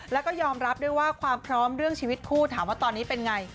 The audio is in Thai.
แล้วก็ยอมรับด้วยว่าความพร้อมเรื่องชีวิตคู่ถามว่าตอนนี้เป็นไง